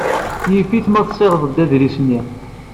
Yif-it ma tesɣid-d adlis-nni.